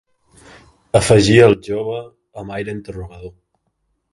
…afegia el jove amb aire interrogador